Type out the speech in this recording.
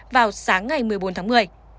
vào sáng ngày một mươi bốn tháng một mươi